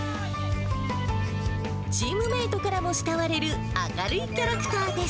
チームメートからも慕われる、明るいキャラクターです。